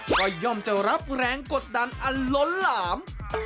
ก็ย่อมจะรับแรงกดดันอันล้นหลาม